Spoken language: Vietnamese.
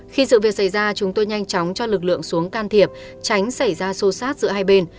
khi sự việc xảy ra chúng tôi nhanh chóng cho lực lượng xuống can thiệp tránh xảy ra xô xát giữa hai bên